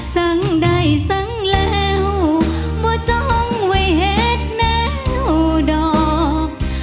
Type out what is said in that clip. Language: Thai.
สังใดสังแล้วบ่จ้องไว้เห็นแนวดอก